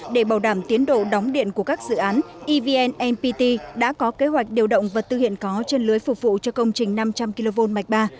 để bảo đảm tiến độ đóng điện của các dự án evn npt đã có kế hoạch điều động vật tư hiện có trên lưới phục vụ cho công trình năm trăm linh kv mạch ba